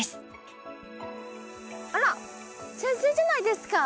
あら先生じゃないですか？